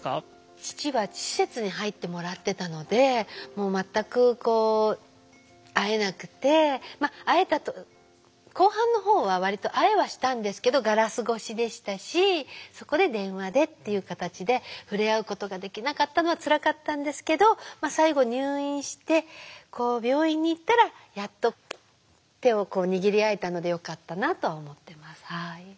父は施設に入ってもらってたので全くこう会えなくて会えたと後半のほうは割と会えはしたんですけどガラス越しでしたしそこで電話でっていう形で触れ合うことができなかったのはつらかったんですけど最後入院して病院に行ったらやっと手を握り合えたのでよかったなとは思ってます。